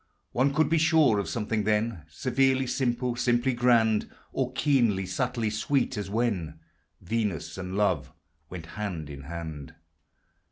One could be sure of something then Severely simple, simply grand, Or keenly, subtly sweet, as when Venus and Love went hand in hand.